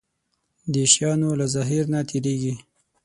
د شيانو له ظاهر نه تېرېږي.